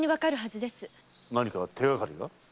何か手がかりが？